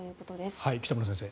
北村先生。